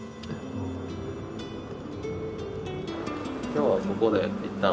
今日はここで一旦。